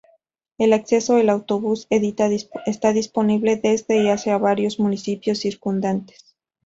El acceso al autobús está disponible desde y hacia varios municipios circundantes.